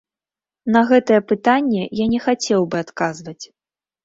На гэтае пытанне я не хацеў бы адказваць.